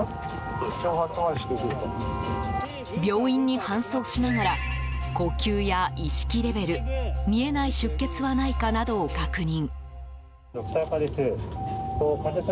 病院に搬送しながら呼吸や意識レベル見えない出血はないかなどを確認。